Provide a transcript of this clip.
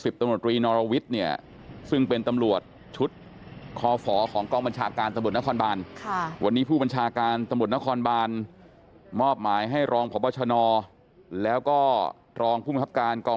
เพิ่งจะเรียนจบ